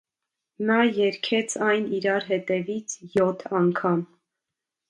Նա երգեց այն իրար հետևից յոթ անգամ։